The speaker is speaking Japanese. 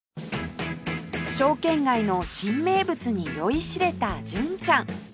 証券街の新名物に酔いしれた純ちゃん